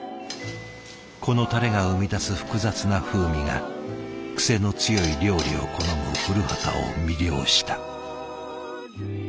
このタレが生み出す複雑な風味が癖の強い料理を好む降旗を魅了した。